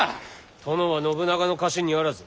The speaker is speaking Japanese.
殿は信長の家臣にあらず。